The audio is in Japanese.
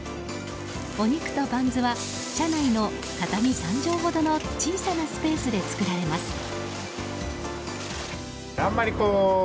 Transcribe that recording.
お肉とバンズは車内の畳３畳ほどの小さなスペースで作られます。